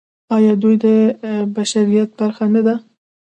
آیا دوی د بشریت برخه نه دي؟